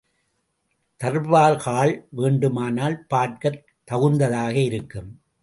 Darbar hall வேண்டுமானால் பார்க்கத் தகுந்ததாக இருக்கும்.